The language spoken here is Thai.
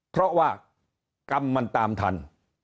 เพราะว่ากรรมมันตามทัน